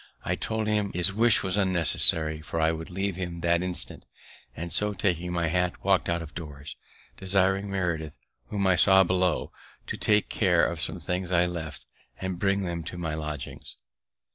I told him his wish was unnecessary, for I would leave him that instant; and so, taking my hat, walk'd out of doors, desiring Meredith, whom I saw below, to take care of some things I left, and bring them to my lodgings.